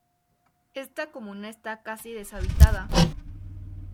Esta comuna está casi deshabitada.